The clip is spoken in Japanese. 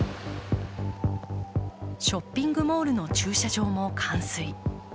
ショッピングモールの駐車場も冠水。